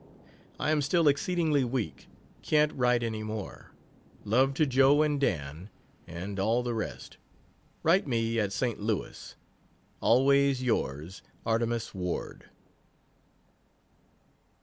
I am still exceedingly weak can't write any more. Love to Jo and Dan, and all the rest. Write me at St. Louis. Always yours, ARTEMUS WARD.